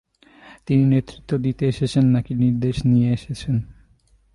তিনি নেতৃত্ব দিতে এসেছেন নাকি নির্দেশ নিয়ে এসেছেন।